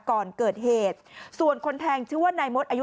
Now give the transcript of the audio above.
ก่อนเกิดเหตุส่วนคนแทงชื่อว่านายมดอายุ